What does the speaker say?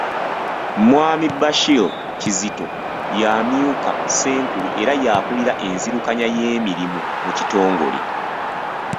Mwami Bashir Kizito y'amyuka Ssenkulu era y’akulira enzirukanya y’emirimu mu kitongole.